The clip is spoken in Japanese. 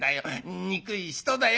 憎い人だよ